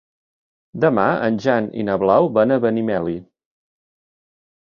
Demà en Jan i na Blau van a Benimeli.